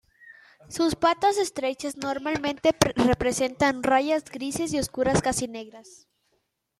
Sus patas estrechas normalmente presentan rayas grises y oscuras casi negras.